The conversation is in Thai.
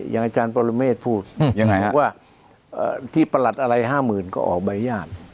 อย่างอาจารย์ปรเมฆพูดว่าที่ประหลัดอะไร๕๐๐๐ก็ออกใบอนุญาต